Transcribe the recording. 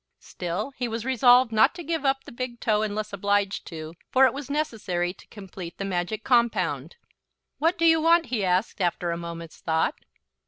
Still, he was resolved not to give up the big toe unless obliged to, for it was necessary to complete the magic compound. "What do you want?" he asked, after a moment's thought.